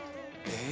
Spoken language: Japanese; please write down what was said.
え。